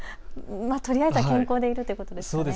とりあえずは健康でいてということですね。